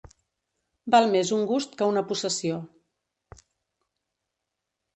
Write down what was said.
Val més un gust que una possessió.